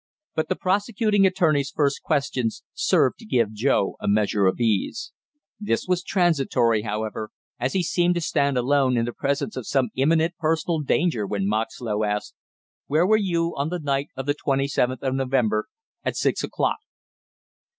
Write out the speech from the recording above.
But the prosecuting attorney's first questions served to give Joe a measure of ease; this was transitory, however, as he seemed to stand alone in the presence of some imminent personal danger when Moxlow asked: "Where were you on the night of the twenty seventh of November at six o'clock?"